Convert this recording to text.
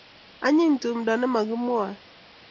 Anyiny tumndo ne makimwae.